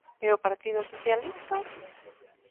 E o Partido Socialista?